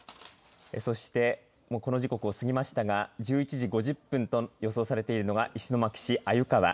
そして、この時刻を過ぎましたが１１時５０分と予想されているのが石巻市鮎川